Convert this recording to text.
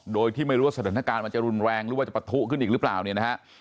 โดยที่ไม่รู้ว่าสถานการณ์มันจะรุนแรงหรือว่าจะปะทุขึ้นอีกหรือเปล่าเนี่ยนะฮะ